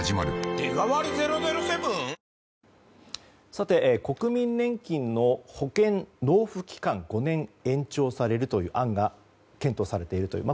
さて、国民年金の保険納付期間が５年延長されるという案が検討されているという。